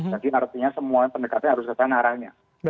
jadi artinya semua pendekatan harus ke sana arahnya